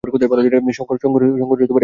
শঙ্কর একা হয়ে পড়ে।